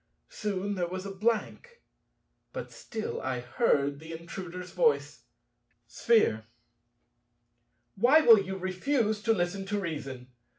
Soon there was a blank. But still I heard the Intruder's voice. Sphere. Why will you refuse to listen to reason?